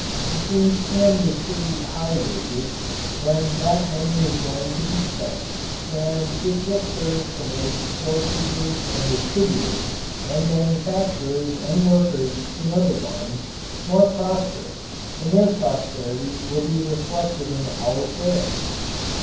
If we can distribute high wages, then that money is going to be spent and it will serve to make storekeepers and distributors and manufacturers and workers in other lines more prosperous and their prosperity will be reflected in our sales.